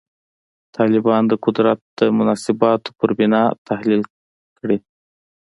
طالبان د قدرت د مناسباتو پر بنا تحلیل کړي.